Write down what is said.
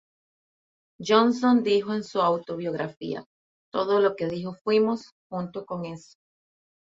Johnson dijo en su autobiografía, "Todo lo que dijo fuimos junto con eso".